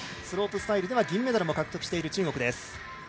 スロープスタイルでは銀メダルも獲得している中国です。